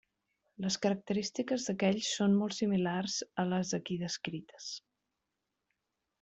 Les característiques d'aquells són molt similars a les aquí descrites.